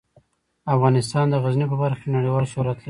افغانستان د غزني په برخه کې نړیوال شهرت لري.